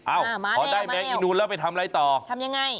พอได้แมงอีนูนแล้วไปทำอะไรต่อทำยังไง